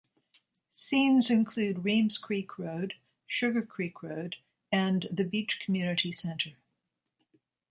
Scenes include Reems Creek Road, Sugar Creek Road and the Beech Community Center.